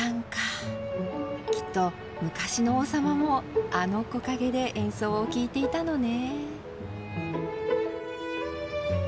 きっと昔の王様もあの木陰で演奏を聴いていたのね。